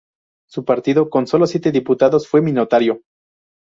Su partido, con sólo siete diputados, fue minoritario.